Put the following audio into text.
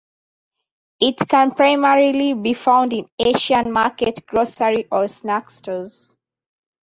It can primarily be found in Asian market grocery or snack stores.